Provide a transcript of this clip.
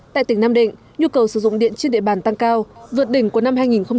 tại tỉnh nam định nhu cầu sử dụng điện trên địa bàn tăng cao vượt đỉnh của năm hai nghìn một mươi tám